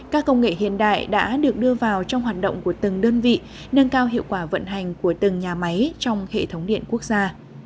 các công nghệ hiện đại đã được đưa vào trong hoạt động của từng đơn vị nâng cao hiệu quả vận hành của từng nhà máy trong hệ thống điện quốc gia